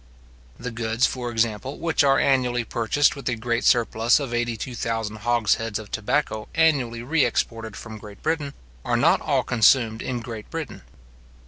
The goods, for example, which are annually purchased with the great surplus of eighty two thousand hogsheads of tobacco annually re exported from Great Britain, are not all consumed in Great Britain.